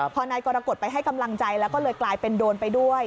พอนายกรกฎไปให้กำลังใจแล้วก็เลยกลายเป็นโดนไปด้วย